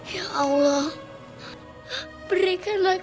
ya allah berikanlah kekuatan kepada ibu